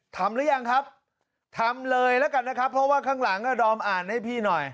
หรือยังครับทำเลยแล้วกันนะครับเพราะว่าข้างหลังดอมอ่านให้พี่หน่อย